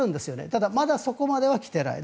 ただまだそこまでは来ていない。